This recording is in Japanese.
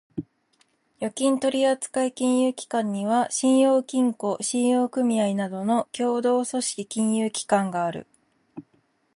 預金取扱金融機関には、信用金庫、信用組合などの協同組織金融機関がある。